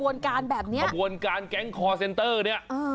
ขบวนการแบบนี้ขบวนการแก๊งคอร์เซ็นเตอร์นี่